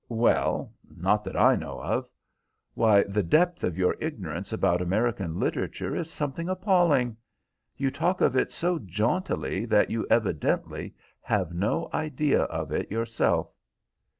"Well, not that I know of. Why, the depth of your ignorance about American literature is something appalling. You talk of it so jauntily that you evidently have no idea of it yourself."